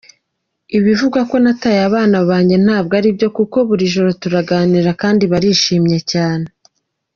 Ibivugwa ko nataye abana banjye ntabwo aribyo kuko buri joro turaganira kandi barishimye cyane.